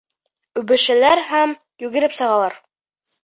Үбешәләр һәм йүгереп сығалар.